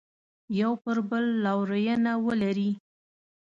یو پر بل لورینه ولري.